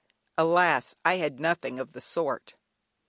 Alas! I had nothing of the sort.